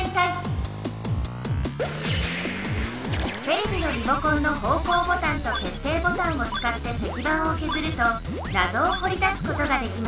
テレビのリモコンの方向ボタンと決定ボタンをつかって石版をけずるとなぞを掘り出すことができます。